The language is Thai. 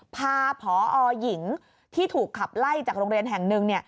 พาพอหญิงที่ถูกขับไล่จากโรงเรียนแห่งหนึ่ง